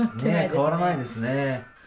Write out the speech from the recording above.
変わらないですね。